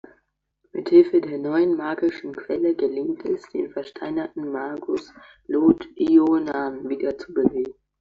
Mithilfe der neuen magischen Quelle gelingt es, den versteinerten Magus Lot-Ionan wiederzubeleben.